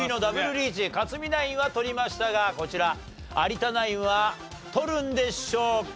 リーチ克実ナインは取りましたがこちら有田ナインは取るんでしょうか？